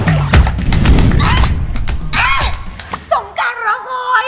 เอ๊ะส่งกันเหรอโง่ย